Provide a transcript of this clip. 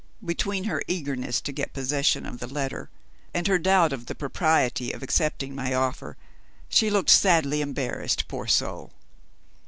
Between her eagerness to get possession of the letter, and her doubt of the propriety of accepting my offer, she looked sadly embarrassed, poor soul.